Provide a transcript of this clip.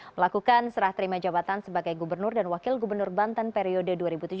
melakukan serah terima jabatan sebagai gubernur dan wakil gubernur banten periode dua ribu tujuh belas dua ribu dua